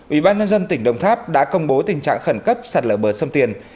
ủy ban nhân dân tỉnh đồng tháp đã công bố tình trạng khẩn cấp sạt lở bờ sông tiền